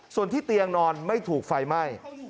ส่วนที่เตียงนอนไม่ถูกไฟไหม้